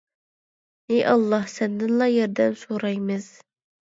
ئى ئاللاھ سەندىنلا ياردەم سورايمىز